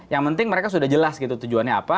yang penting mereka sudah jelas gitu tujuannya apa